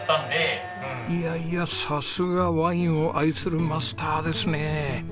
いやいやさすがワインを愛するマスターですね。